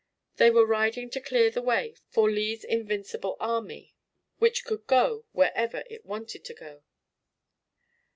They were riding to clear the way for Lee's invincible army which could go wherever it wanted to go.